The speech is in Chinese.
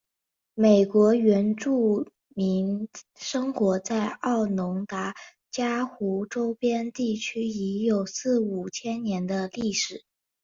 美国原住民生活在奥农达伽湖周边地区已有四五千年的历史。